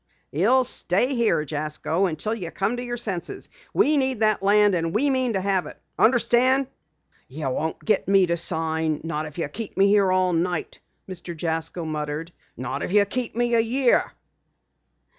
"You'll stay here, Jasko, until you come to your senses. We need that land, and we mean to have it. Understand?" "You won't get me to sign, not if you keep me here all night," Mr. Jasko muttered. "Not if you keep me a year!"